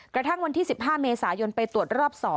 กระทั่งวันที่๑๕เมษายนไปตรวจรอบ๒